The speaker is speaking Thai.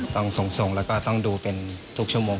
ต้องส่งแล้วก็ต้องดูเป็นทุกชั่วโมง